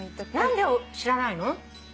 何で知らないの？